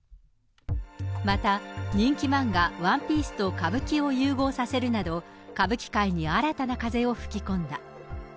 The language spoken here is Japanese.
また、人気漫画、ワンピースと歌舞伎を融合させるなど、歌舞伎界に新たな風を吹き込んだ。